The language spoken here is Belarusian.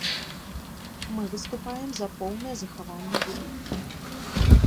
Мы выступаем за поўнае захаванне будынка.